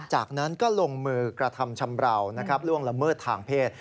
จากนั้นก็ลงมือกระทำชำราวนะครับล่วงละเมิดทางเพศ